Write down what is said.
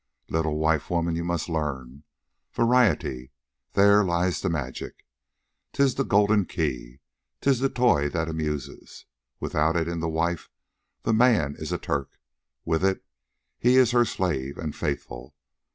"Little wife woman, you must learn. Variety! There lies the magic. 'Tis the golden key. 'Tis the toy that amuses. Without it in the wife, the man is a Turk; with it, he is her slave, and faithful.